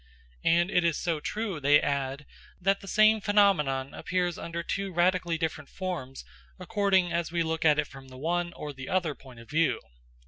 And it is so true, they add, that the same phenomenon appears under two radically different forms according as we look at it from the one or the other point of view.